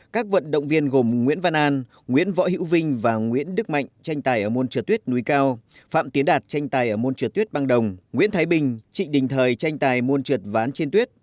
các vận động viên gồm nguyễn văn an nguyễn võ hữu vinh và nguyễn đức mạnh tranh tài ở môn trượt tuyết núi cao phạm tiến đạt tranh tài ở môn trượt tuyết băng đồng nguyễn thái bình trị đình thời tranh tài môn trượt ván trên tuyết